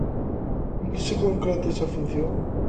En que se concreta esa función?